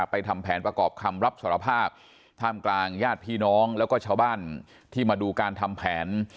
ทำแผนประกอบคำรับสารภาพท่ามกลางญาติพี่น้องแล้วก็ชาวบ้านที่มาดูการทำแผน